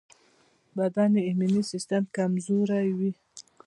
بدن یې ایمني سيستم کمزوری وي.